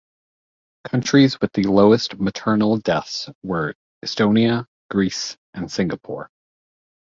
Countries with the lowest maternal deaths were Estonia, Greece and Singapore.